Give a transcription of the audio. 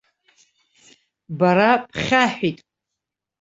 Бара бхьаҳәит.